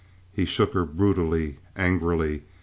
He shook her brutally, angrily.